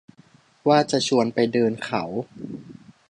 ว่าจะชวนไปเดินเขา